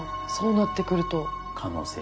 そうなってくると。